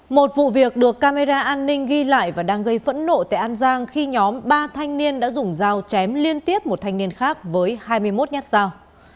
một vụ việc được camera an ninh ghi lại và đang gây phẫn nộ tại an giang khi nhóm ba thanh niên đã dùng dao chém liên tiếp một thanh niên khác với hai mươi một nhát dao